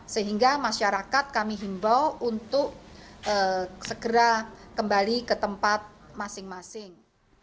sehingga masyarakat kami himbau untuk segera kembali ke tempat masing masing